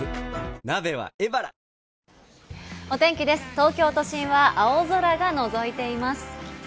東京都心は青空が覗いています。